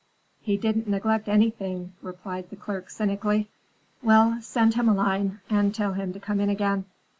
"He didn't neglect anything," replied the clerk cynically. "Well, send him a line and tell him to come in again.